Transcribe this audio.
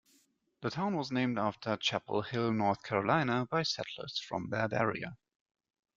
The town was named after Chapel Hill, North Carolina by settlers from that area.